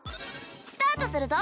スタートするぞ！